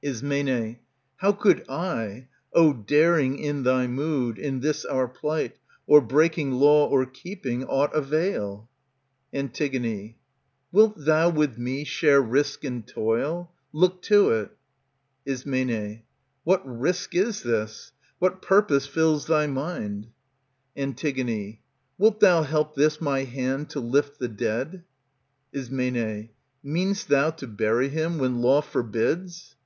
Ism, How could I, O daring in thy mood, in this our plight. Or breaking law or keeping, aught avail ?^ Jntig, Wilt thou with me share risk and toil ? Look to it. Ism, What risk is this ? What purpose fills thy mind ? Jntig, Wilt thou help this my hand to lift the dead ? Ism, Mean'st thou to bury him, when law forbids